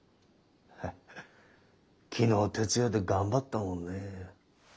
・ハッハ昨日徹夜で頑張ったもんねぇ。